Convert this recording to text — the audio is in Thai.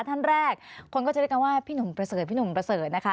ท่านแรกคนก็จะเรียกกันว่าพี่หนุ่มประเสริฐนะคะ